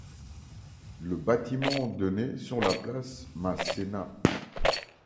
Le bâtiment donnait sur la place Masséna.